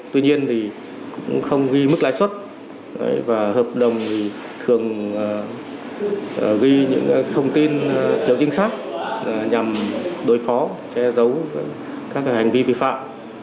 tuy nhiên thì cũng không ghi mức lãi suất và hợp đồng thường ghi những thông tin thiếu chính xác nhằm đối phó che giấu các hành vi vi phạm